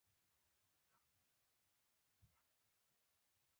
په نویو لنډیو کې به ټانک او راکټ راشي.